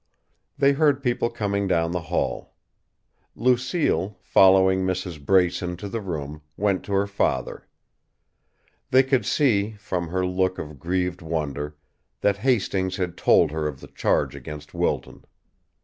They heard people coming down the hall. Lucille, following Mrs. Brace into the room, went to her father. They could see, from her look of grieved wonder, that Hastings had told her of the charge against Wilton.